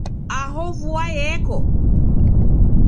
Aho vua yeko